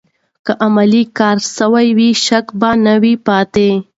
که عملي کار سوی و، شک به نه و پاتې.